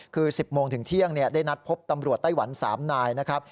คือ๑๐โมงถึงเที่ยงได้นัดพบตำรวจไต้หวัน๓นายนะครับ